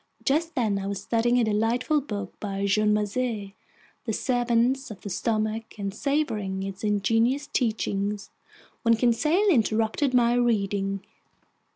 Just then I was studying a delightful book by Jean Macé, The Servants of the Stomach, and savoring its ingenious teachings, when Conseil interrupted my reading.